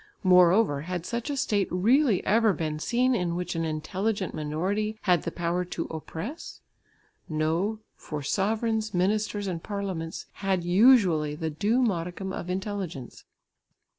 Moreover had such a state really ever been seen in which an intelligent minority had the power to "oppress"? No, for sovereigns, ministers and parliaments had usually the due modicum of intelligence.